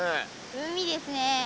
海ですね。